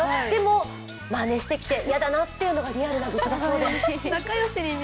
でも、まねしてきて嫌だなというのがリアルな愚痴だそうです。